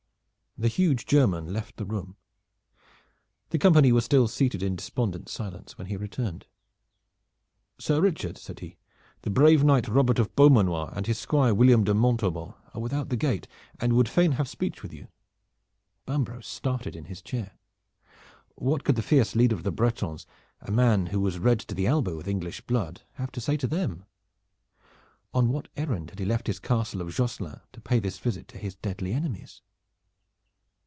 The huge German left the room. The company were still seated in despondent silence when he returned. "Sir Richard," said he, "the brave knight Robert of Beaumanoir and his Squire William de Montaubon are without the gate, and would fain have speech with you." Bambro' started in his chair. What could the fierce leader of the Bretons, a man who was red to the elbow with English blood, have to say to them? On what errand had he left his castle of Josselin to pay this visit to his deadly enemies?